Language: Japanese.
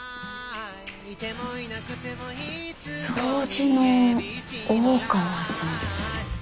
掃除の大川さん。